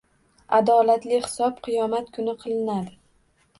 Adolatli hisob qiyomat kuni qilinadi.